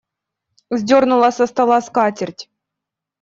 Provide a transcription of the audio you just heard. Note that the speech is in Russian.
Сдернула со стола скатерть.